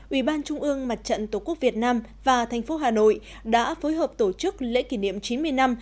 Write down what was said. ủy ban trung ương mặt trận tổ quốc việt nam và thành phố hà nội đã phối hợp tổ chức lễ kỷ niệm chín mươi năm